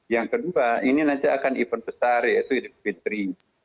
yang kedua ini nanti akan event besar yaitu idul fitri